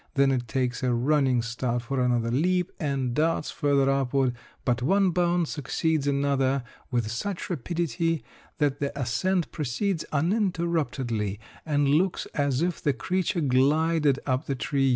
Then it takes a running start for another leap and darts further upward; but one bound succeeds another with such rapidity that the ascent proceeds uninterruptedly, and looks as if the creature glided up the tree.